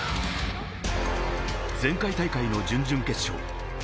前回大会の準々決勝。